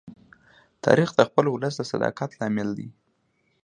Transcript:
تاریخ د خپل ولس د صداقت لامل دی.